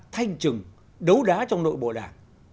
thanh trừng đấu đá trong nội bộ đảng